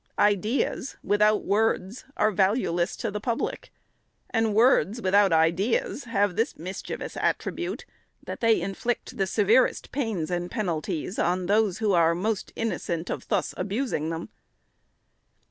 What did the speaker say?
Ideas without words are valueless to the public ; and words without ideas have this mischievous attribute, that they inflict the severest pains and penalties on those who are most innocent of thus abusing them.